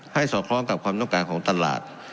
สอดคล้องกับความต้องการของตลาด